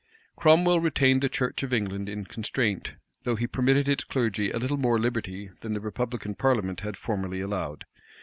Cromwell retained the church of England in constraint though he permitted its clergy a little more liberty than the Republican parliament had formerly allowed.